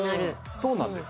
そうなんですよ。